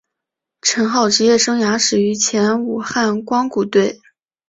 陈浩职业生涯始于前武汉光谷队。